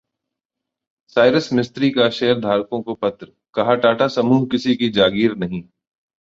Cyrus Mistry का शेयरधारकों को पत्र, कहा- टाटा समूह किसी की जागीर नहीं